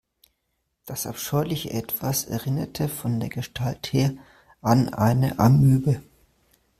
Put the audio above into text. Das abscheuliche Etwas erinnerte von der Gestalt her an eine Amöbe.